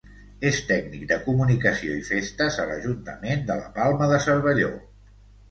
És tècnic de comunicació i festes a l'Ajuntament de la Palma de Cervelló.